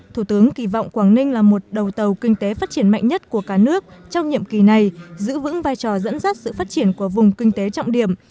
thủ tướng kỳ vọng quảng ninh là một đầu tàu kinh tế phát triển mạnh nhất của cả nước trong nhiệm kỳ này giữ vững vai trò dẫn dắt sự phát triển của vùng kinh tế trọng điểm